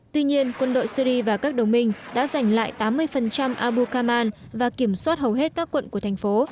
tuy nhiên quân đội syri và các đồng minh đã giành lại tám mươi abu kaman và kiểm soát hầu hết các quận của thành phố